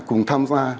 cùng tham gia